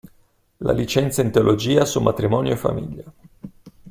La licenza in Teologia su Matrimonio e Famiglia.